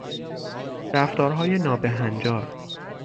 رفتارهای نابههنجار